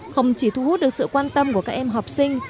không chỉ thu hút được sự quan tâm của các em học sinh